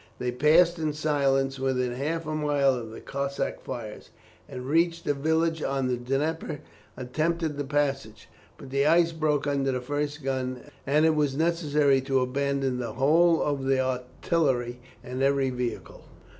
They passed in silence within half a mile of the Cossack fires, and reaching a village on the Dnieper, attempted the passage; but the ice broke under the first gun, and it was necessary to abandon the whole of the artillery and every vehicle.